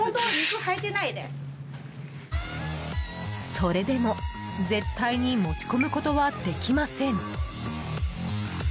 それでも、絶対に持ち込むことはできません。